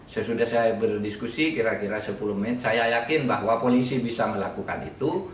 sesudah saya berdiskusi kira kira sepuluh menit saya yakin bahwa polisi bisa melakukan itu